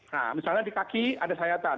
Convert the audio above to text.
nah misalnya di kaki ada sayatan